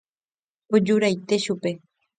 Ojuraite chupe.